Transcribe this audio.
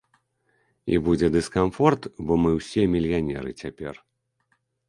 І будзе дыскамфорт, бо мы ўсе мільянеры цяпер.